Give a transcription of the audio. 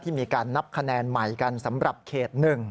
มีการนับคะแนนใหม่กันสำหรับเขต๑